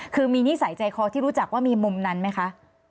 คือมีนิสัยใจคอที่รู้จักว่ามีมุมนั้นไหมคะ